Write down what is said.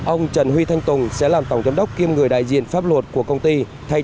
ông trần huy thanh tùng sẽ làm tổng giám đốc kiêm người đại diện pháp luật của công ty thay cho ông trần kinh doanh